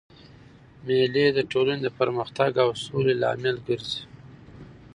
مېلې د ټولني د پرمختګ او سولي لامل ګرځي.